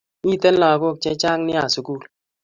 Miten lakok che chang nea sukul